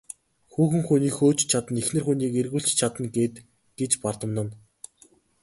Хүүхэн хүнийг хөөж ч чадна, эхнэр хүнийг эргүүлж ч чадна гээд гэж бардамнана.